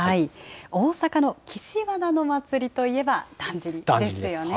大阪の岸和田の祭りといえば、だんじりですよね。